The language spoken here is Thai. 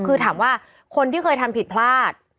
คือถามว่าคนที่เคยทำผิดพลาด